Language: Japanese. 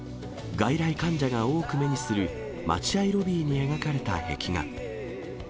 外来患者が多く目にする、待合ロビーに描かれた壁画。